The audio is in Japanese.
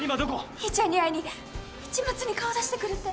兄ちゃんに会いに市松に顔出してくるって。